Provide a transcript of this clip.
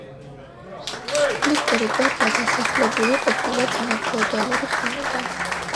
სოფლის ტერიტორია დასახლებული ყოფილა წინაფეოდალური ხანიდან.